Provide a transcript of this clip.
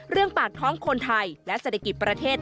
ปากท้องคนไทยและเศรษฐกิจประเทศ